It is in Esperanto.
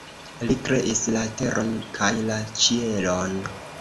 Li kreis la teron kaj la ĉielon.